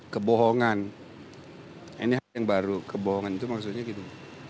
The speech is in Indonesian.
kebohongan ini hal yang baru kebohongan itu maksudnya gitu